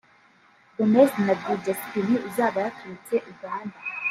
Gomes na Dj Spinny uzaba yaturutse Uganda